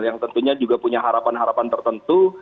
yang tentunya juga punya harapan harapan tertentu